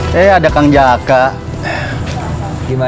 hal itu kayak dapet